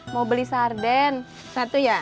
mau beli sarden satu ya